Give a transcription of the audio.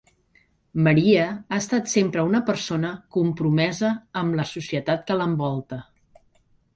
Maria ha estat sempre una persona compromesa amb la societat que l'envolta.